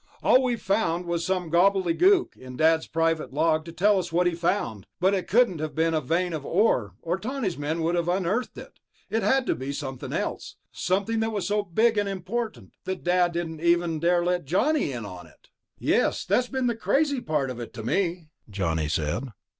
"All we've found was some gobbledegook in Dad's private log to tell us what he found ... but it couldn't have been a vein of ore, or Tawney's men would have unearthed it. It had to be something else. Something that was so big and important that Dad didn't even dare let Johnny in on it." "Yes, that's been the craziest part of it, to me," Johnny said.